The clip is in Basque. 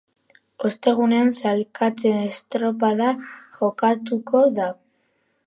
Ostegunean sailkatze-estropada jokatuko da.